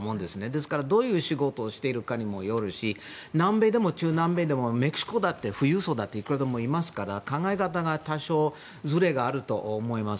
ですから、どういう仕事をしているかにもよるし南米でも中南米でもメキシコだって富裕層だっていくらでもいますから考え方に多少ずれがあると思います。